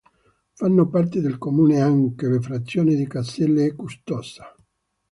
Fanno parte del comune anche le frazioni di Caselle e Custoza.